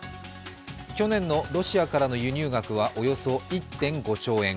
去年のロシアからの輸入額はおよそ１．５兆円。